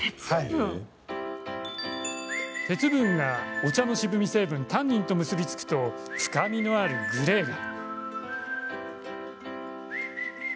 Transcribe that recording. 鉄分が、お茶の渋み成分タンニンと結び付くと深みのあるグレーが。